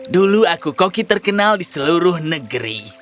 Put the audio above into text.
dulu aku koki terkenal di seluruh negeri